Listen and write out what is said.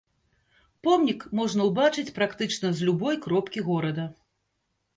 Помнік можна ўбачыць практычна з любой кропкі горада.